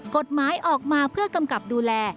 กฎหมายออกมาเพื่อกำกับดูแล